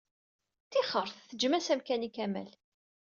Tixret, teǧǧem-as amkan i Kamal.